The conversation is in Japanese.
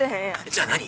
じゃあ何？